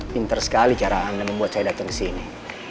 pinter sekali cara anda membuat saya datang kesini